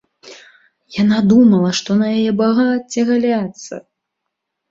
Яна думала, што на яе багацце галяцца!